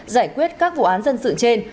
giải quyết các vụ án dân sự trên